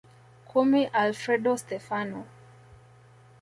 Kumi Alfredo Stefano